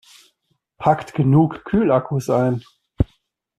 Packt genug Kühlakkus ein!